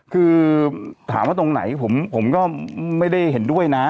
คือถามว่าตรงไหนผมก็ไม่ได้เห็นด้วยนะ